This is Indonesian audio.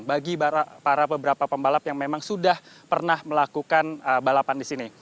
bagi para beberapa pembalap yang memang sudah pernah melakukan balapan di sini